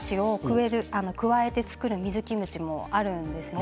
とうがらしを加えて造る水キムチもあるんですね